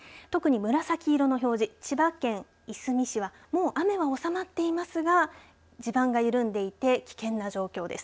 紫色の表示、千葉県いすみ市はもう雨が収まっていますが地盤が緩んでいて危険な状況です。